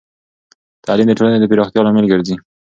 تعلیم د ټولنې د پراختیا لامل ګرځی.